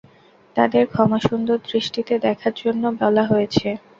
তাঁদের ক্ষমাসুন্দর দৃষ্টিতে দেখার জন্য বলা হয়েছে।